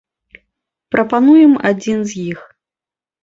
Прапануем адзін з іх.